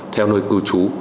theo nơi cư chú